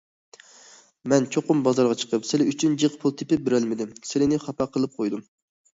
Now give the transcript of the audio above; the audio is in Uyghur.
مەن چوقۇم بازارغا چىقىپ سىلى ئۈچۈن جىق پۇل تېپىپ بېرەلمىدىم، سىلىنى خاپا قىلىپ قويدۇم.